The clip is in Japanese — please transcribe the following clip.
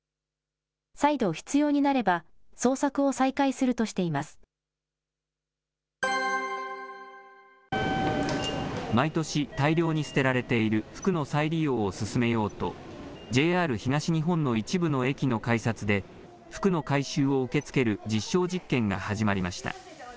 再度必要になれば、捜索を再開す毎年、大量に捨てられている服の再利用を進めようと、ＪＲ東日本の一部の駅の改札で、服の回収を受け付ける実証実験が始まりました。